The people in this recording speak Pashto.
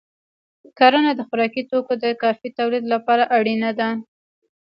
کرنه د خوراکي توکو د کافی تولید لپاره اړینه ده.